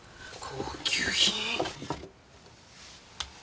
高級品。